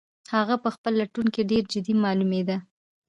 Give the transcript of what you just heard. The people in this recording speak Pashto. هغه په خپل لټون کې ډېر جدي معلومېده.